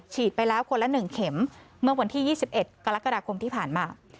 ไปแล้วคนละ๑เข็มเมื่อวันที่๒๑กรกฎาคมที่ผ่านมา